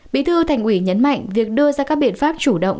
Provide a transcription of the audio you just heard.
bí thư thành ủy nhấn mạnh việc đưa ra các biện pháp chủ động